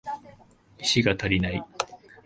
石が足りない